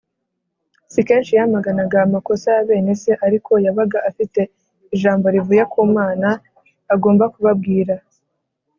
” Si kenshi yamaganaga amakosa ya bene se, ariko yabaga afite ijambo rivuye ku Mana agomba kubabwira